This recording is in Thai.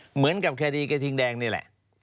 เหมือนกับคดีกระทิงแดงนี่แหละ